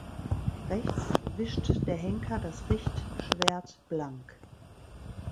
Rechts wischt der Henker das Richtschwert blank.